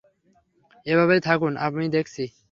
এভাবেই থাকুন, আমি দেখছি।